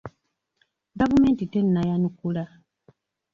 Gavumenti tennayanukula.